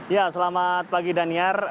ya selamat pagi daniar